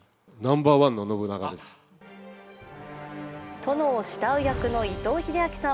殿を慕う役の伊藤英明さん。